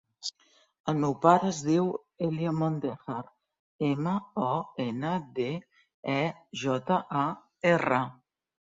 El meu pare es diu Elio Mondejar: ema, o, ena, de, e, jota, a, erra.